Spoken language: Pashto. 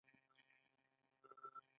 بریښنا له ترکمنستان واردوي